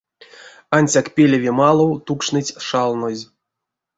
Ансяк пелеве малав тукшныть шалнозь.